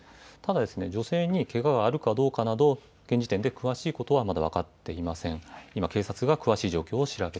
ただ女性にけがはあるかどうかなど現時点で詳しいことはまだ分かっていません。